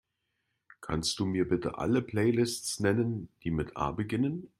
Kannst Du mir bitte alle Playlists nennen, die mit A beginnen?